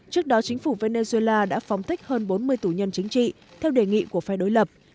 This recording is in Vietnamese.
trước đó chính phủ venezuela đã phóng thích hơn bốn mươi tù nhân chính trị theo đề nghị của phe đối lập